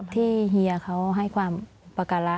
ที่เฮียเขาให้ความปรากฎะ